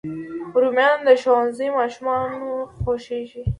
رومیان د ښوونځي ماشومانو خوښېږي